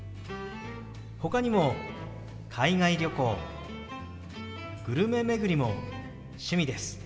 ほかにも海外旅行グルメ巡りも趣味です。